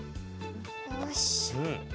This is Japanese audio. よし。